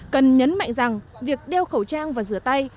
cần nhấn mạnh rằng việc đeo khẩu trang và rửa tay